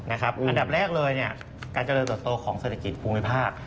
อันดับแรกเลยการเจริญเติบโตของเศรษฐกิจภูมิภาค